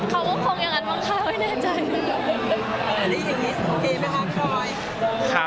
เขาก็คงยังงั้นบ้างครัวให้แน่ใจ